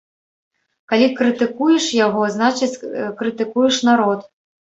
Калі крытыкуеш яго, значыць, крытыкуеш народ.